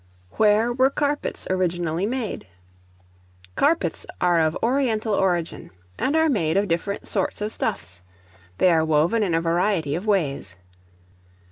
Where were Carpets originally made? Carpets are of oriental origin, and are made of different sorts of stuffs; they are woven in a variety of ways.